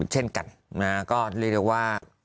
เช่นกันก็เรียกได้ว่า